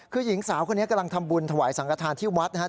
คือหญิงสาวคนนี้กำลังทำบุญถวายสังกฐานที่วัดนะครับ